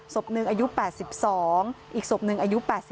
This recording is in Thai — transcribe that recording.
ศพหนึ่งอายุ๘๒อีกศพหนึ่งอายุ๘๐